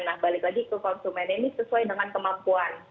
nah balik lagi ke konsumen ini sesuai dengan kemampuan